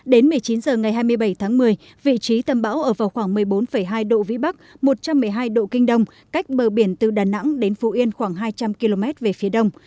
đến một mươi chín h ngày hai mươi bảy tháng một mươi vị trí tâm bão ở vào khoảng một mươi bốn hai độ vĩ bắc một trăm một mươi hai độ kinh đông cách bờ biển từ đà nẵng đến phú yên khoảng hai trăm linh km về phía đông